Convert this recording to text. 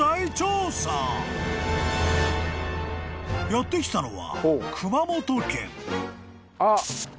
［やって来たのは］